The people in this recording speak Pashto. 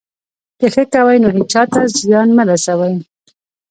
که ښه کوئ، نو هېچا ته زیان مه رسوئ.